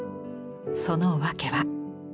その訳は。